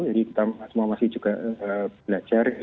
jadi kita semua masih juga belajar